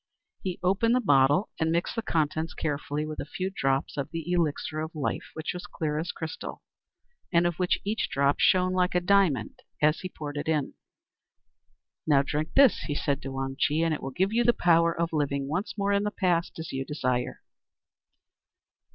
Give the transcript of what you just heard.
He opened the bottle, and mixed the contents carefully with a few drops of the elixir of life, which was clear as crystal, and of which each drop shone like a diamond as he poured it in. "Now, drink this," he said to Wang Chih, "and it will give you the power of living once more in the Past, as you desire."